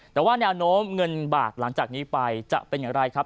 แต่ว่าแนวโน้มเงินบาทหลังจากนี้ไปจะเป็นอย่างไรครับ